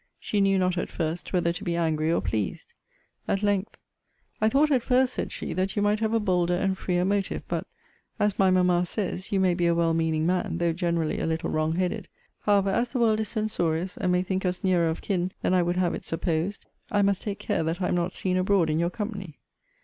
She knew not, at first, whether to be angry or pleased. At length, 'I thought at first,' said she, 'that you might have a bolder and freer motive but (as my Mamma says) you may be a well meaning man, though generally a little wrong headed however, as the world is censorious, and may think us nearer of kin than I would have it supposed, I must take care that I am not seen abroad in your company.'